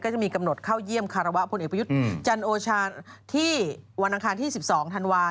จะมีกำหนดเข้าเยี่ยมคารวะพลเอกประยุทธ์จันโอชาที่วันอังคารที่๑๒ธันวาคม